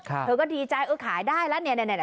เธอก็ดีใจเออขายได้แล้วเนี่ย